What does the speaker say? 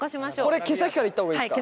これ毛先からいった方がいいですか？